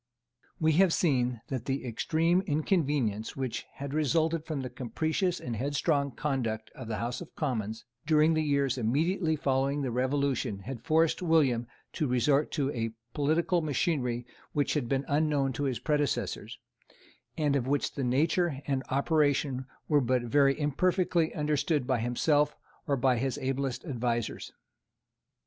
We have seen that the extreme inconvenience which had resulted from the capricious and headstrong conduct of the House of Commons during the years immediately following the Revolution had forced William to resort to a political machinery which had been unknown to his predecessors, and of which the nature and operation were but very imperfectly understood by himself or by his ablest advisers.